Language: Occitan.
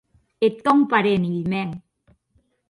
Eth tòn parent, hilh mèn.